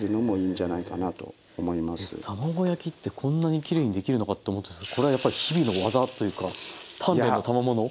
卵焼きってこんなにきれいにできるのかと思ったんですけどこれは日々の技というか鍛錬のたまもの？